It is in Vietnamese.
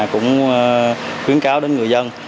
cũng khuyến cáo đến người dân